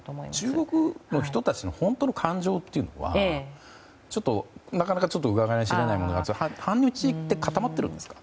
中国の人たちの本当の感情というのはなかなかうかがい知れないものがありますが反日って固まってるんですか？